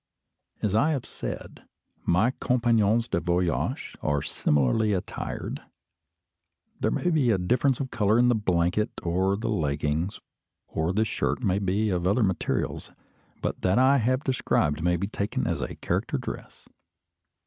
As I have said, my compagnons de voyage are similarly attired. There may be a difference of colour in the blanket or the leggings, or the shirt may be of other materials; but that I have described may be taken as a character dress.